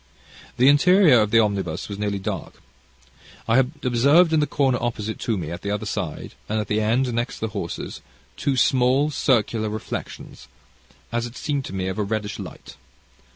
"The interior of the omnibus was nearly dark. I had observed in the corner opposite to me at the other side, and at the end next the horses, two small circular reflections, as it seemed to me of a reddish light.